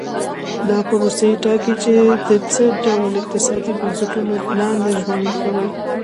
دا پروسې ټاکي چې د څه ډول اقتصادي بنسټونو لاندې ژوند کوي.